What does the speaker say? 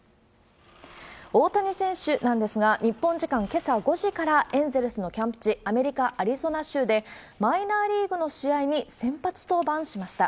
大谷選手なんですが、日本時間けさ５時から、エンゼルスのキャンプ地、アメリカ・アリゾナ州で、マイナーリーグの試合に先発登板しました。